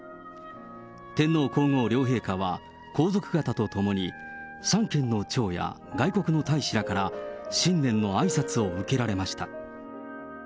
天皇皇后両陛下は皇族方と共に、三権の長や外国の大使らから新年のあいさつを受けられました。